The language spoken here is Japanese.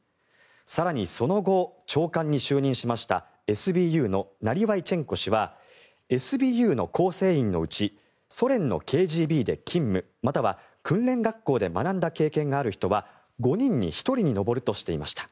更に、その後長官に就任しましたＳＢＵのナリワイチェンコ氏はＳＢＵの構成員のうちソ連のＫＧＢで勤務または訓練学校で学んだ経験がある人は５人に１人に上るとしていました。